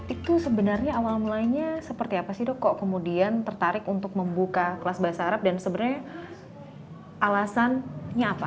itu sebenarnya awal mulanya seperti apa sih dok kok kemudian tertarik untuk membuka kelas bahasa arab dan sebenarnya alasannya apa